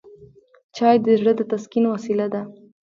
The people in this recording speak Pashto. چای د زړه د تسکین وسیله ده